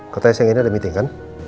kota s yang ini ada meeting kan